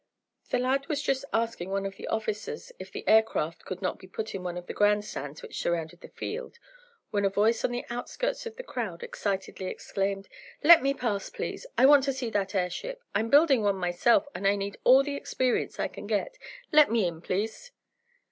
The lad was just asking one of the officers if the air craft could not be put in one of the grandstands which surrounded the field, when a voice on the outskirts of the crowd excitedly exclaimed: "Let me pass, please. I want to see that airship. I'm building one myself, and I need all the experience I can get. Let me in, please."